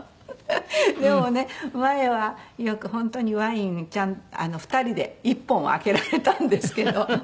でもね前はよく本当にワイン２人で１本空けられたんですけど。